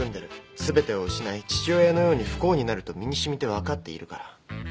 全てを失い父親のように不幸になると身に染みて分かっているから。